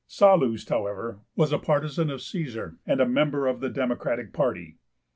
Sallust, however, was a partisan of Caesar, and a member of the democratic party.